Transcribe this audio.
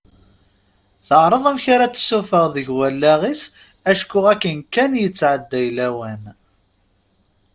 Teɛreḍ amek ara tessuffeɣ deg wallaɣ-is acku akken kan yettɛedday lawan.